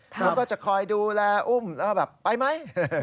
เขาก็จะคอยดูแลอุ้มแล้วก็แบบไปไหม